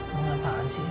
gimana paham sih